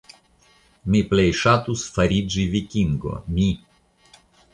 Mi plej ŝatus fariĝi vikingo, mi.